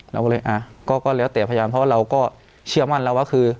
เราก็เลยอ่ะก็แล้วแต่พยานเพราะว่าเราก็เชื่อมั่นแล้วว่าคือ